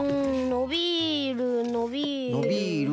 のびるのびる。